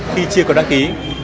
khi chưa có đăng ký